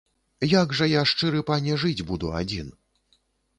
Як жа я, шчыры пане, жыць буду адзін?